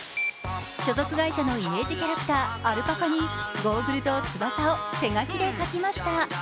所属会社のイメージキャラクターアルパカに、ゴーグルと翼を手描きで描きました。